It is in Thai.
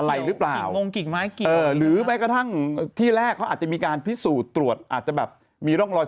โดนข่มคืนก็ไม่มี